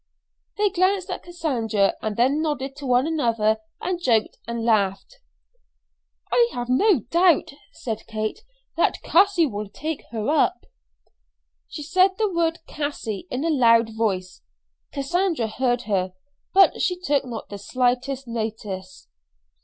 They glanced at Cassandra, and then nodded to one another and joked and laughed. "I have no doubt," said Kate, "that Cassie will take her up." She said the word "Cassie" in a loud voice. Cassandra heard her, but she took not the slightest notice.